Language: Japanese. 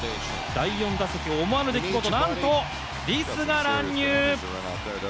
第４打席、思わぬ出来事、なんとリスが乱入！